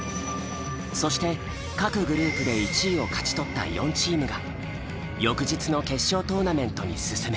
そして各グループで１位を勝ち取った４チームが翌日の決勝トーナメントに進む。